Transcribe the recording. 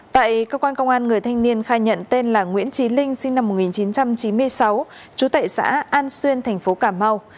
tại cơ quan công an người thanh niên khai nhận tên là nguyễn trí linh sinh năm một nghìn chín trăm chín mươi sáu trú tại xã an xuyên thành phố cà mau